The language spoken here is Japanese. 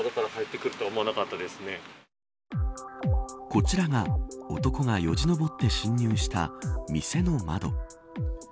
こちらが男がよじ登って侵入した店の窓。